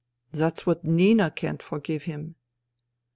That's what Nina can't forgive him.